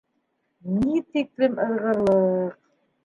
Ни тиклем ыҙғырлыҡ...